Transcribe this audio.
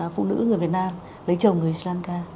phụ nữ người việt nam lấy chồng người sri lanka